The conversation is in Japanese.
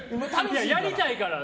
やりたいから。